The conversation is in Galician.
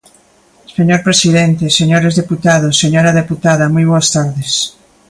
Señor presidente, señores deputados, señora deputada, moi boas tardes.